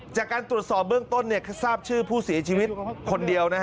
จากการตรวจสอบเบื้องต้นทราบชื่อผู้เสียชีวิตคนเดียว